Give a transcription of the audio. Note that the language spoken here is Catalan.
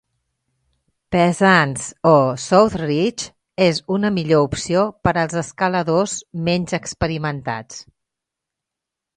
Peasants o South Ridge és una millor opció per als escaladors menys experimentats.